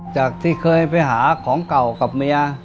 จากที่เคยไปหาของเก่ากับเมีย